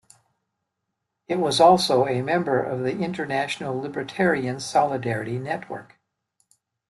It was also a member of the International Libertarian Solidarity network.